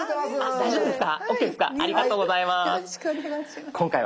大丈夫ですか？